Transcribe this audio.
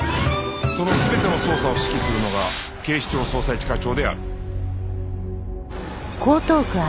その全ての捜査を指揮するのが警視庁捜査一課長である